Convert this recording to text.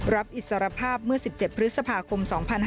อิสรภาพเมื่อ๑๗พฤษภาคม๒๕๕๙